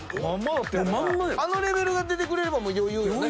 あのレベルが出てくれれば余裕よね。